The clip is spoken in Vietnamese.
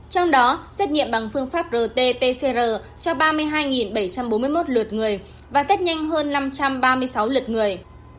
trong đó xét nghiệm bằng phương pháp rt pcr cho ba mươi hai bảy trăm bốn mươi một lượt người và tết nhanh hơn năm trăm ba mươi sáu lượt người